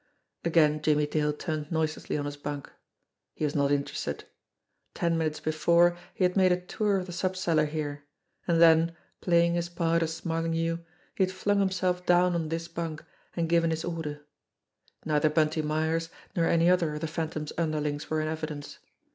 Again Jimmie Dale turned noiselessly on his bunk. He was not interested. Ten minutes before he had made a tour of the sub cellar here ; and then, playing his part as Smarling hue, he had flung himself down on this bunk and given his order. Neither Bunty Myers nor any other of the Phantom's underlings were in evidence.